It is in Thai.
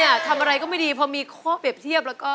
ทำอะไรก็ไม่ดีพอมีข้อเปรียบเทียบแล้วก็